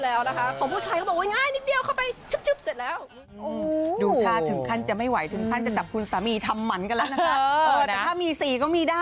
แล้วก็พิวเขาไม่ทำแบบนี้แหละค่ะ